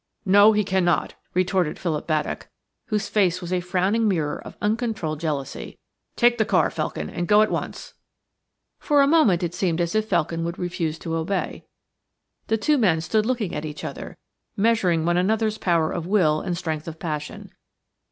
"No, he cannot," retorted Philip Baddock, whose face was a frowning mirror of uncontrolled jealousy; "take the car, Felkin, and go at once." For a moment it seemed as if Felkin would refuse to obey. The two men stood looking at each other, measuring one another's power of will and strength of passion.